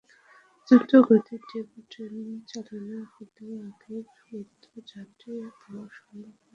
দ্রুতগতির DEMU train চালানো হলে আগের মতো যাত্রী পাওয়া সম্ভব হবে।